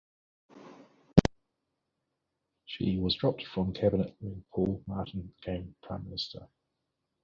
She was dropped from Cabinet when Paul Martin became prime minister.